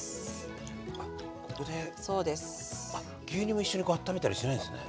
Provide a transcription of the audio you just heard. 牛乳も一緒にあっためたりしないんですね。